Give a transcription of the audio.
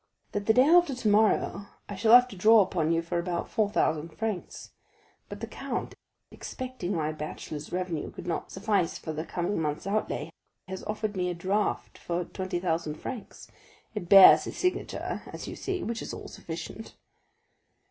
"That the day after tomorrow I shall have to draw upon you for about four thousand francs; but the count, expecting my bachelor's revenue could not suffice for the coming month's outlay, has offered me a draft for twenty thousand francs. It bears his signature, as you see, which is all sufficient."